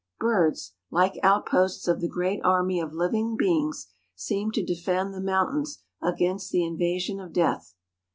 Birds, like out¬ posts of the great army of living beings, seem to defend the mountains against the invasion of death.